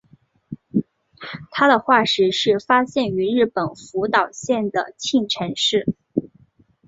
它的化石是发现于日本福岛县的磐城市。